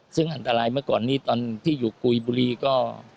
ซึ่งอันตรายเมื่อก่อนนี้ตอนที่อยู่กุยบุรีก็